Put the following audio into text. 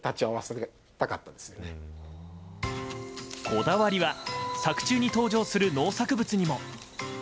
こだわりは作中に登場する農作物にも。